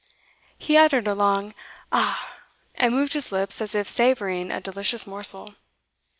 He uttered a long 'Ah!' and moved his lips as if savouring a delicious morsel.